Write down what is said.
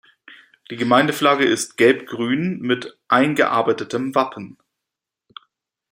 Die Gemeindeflagge ist Gelb-Grün mit eingearbeitetem Wappen.